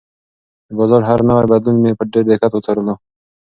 د بازار هر نوی بدلون مې په ډېر دقت وڅارلو.